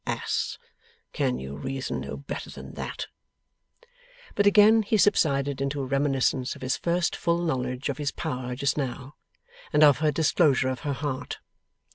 Ass! Can you reason no better than that?' But, again he subsided into a reminiscence of his first full knowledge of his power just now, and of her disclosure of her heart.